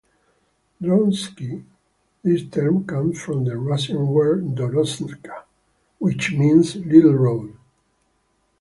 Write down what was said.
Droshky - This term comes from the Russian word "dorozhka", which means "little road".